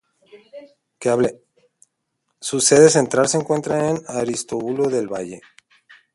Su sede central se encuentra en Aristóbulo del Valle.